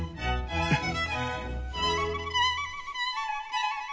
うん。